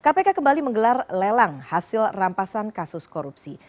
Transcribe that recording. kpk kembali menggelar lelang hasil rampasan kasus korupsi